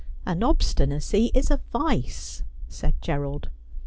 205 ' And obstinacy is a vice,' said Gerald.